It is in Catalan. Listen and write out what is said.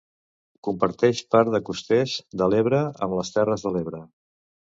Comparteix part de Costers de l'Ebre amb les Terres de l'Ebre.